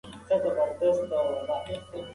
د مختلفو زده کړو څخه موخه را اخلو.